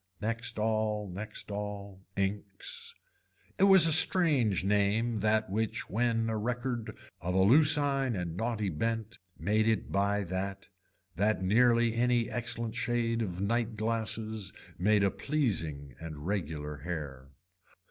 Next all, next all, inks. It was a strange name that which when a record of a lucine and naughty bent made it by that that nearly any excellent shade of night glasses made a pleasing and regular hair.